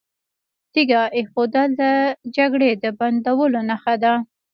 تیږه ایښودل د جګړې د بندولو نښه ده.